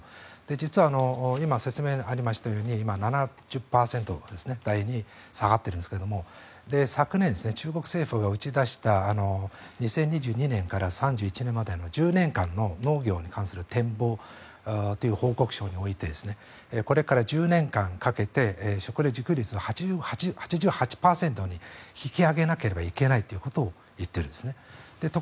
実は説明にありましたように７０％台に下がっているんですが昨年、中国政府が打ち出した２０２２年から３１年までの１０年間の農業に関する報告書においてこれから１０年間かけて食料自給率を８８％に引き上げなければいけないと言っているんです。